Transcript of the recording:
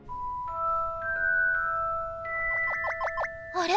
あれ？